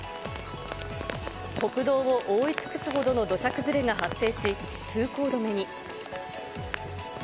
国道を覆い尽くすほどの土砂崩れが発生し、通行止めに。